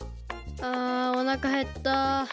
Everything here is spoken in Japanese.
あおなかへった！